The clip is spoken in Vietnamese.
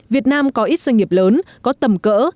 việt nam có ít doanh nghiệp lớn có tầm cỡ